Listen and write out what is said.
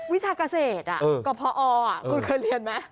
วิชากาเศษอะกอคุณเคยเรียนไหม